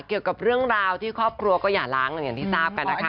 เกี่ยวกับเรื่องราวที่ครอบครัวก็อย่าล้างอย่างที่ทราบกันนะคะ